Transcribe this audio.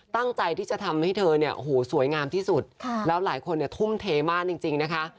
ตั้งใจที่จะทำให้เธอเนี่ยโอ้โหสวยงามที่สุดแล้วหลายคนเนี่ยทุ่มเทมากจริงนะคะ